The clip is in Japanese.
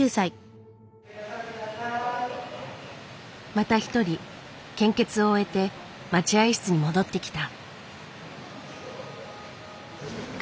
また一人献血を終えて待合室に戻ってきた。